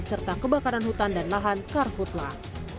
serta kebakaran hutan dan lahan karhutlah